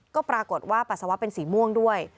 ก็ปรากฏว่าปัสสาวะเป็นสีม่วงด้วย